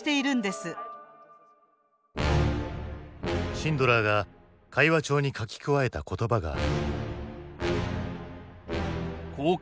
シンドラーが会話帳に書き加えた言葉がある。